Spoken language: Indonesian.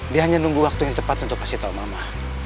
dia hanya nunggu waktu yang tepat untuk kasih tahu mama